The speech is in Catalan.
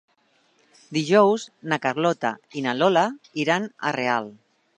Dijous na Carlota i na Lola iran a Real.